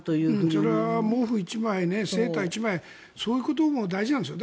それは毛布１枚セーター１枚そういうことも大事なんです。